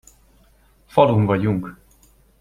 Falun vagyunk!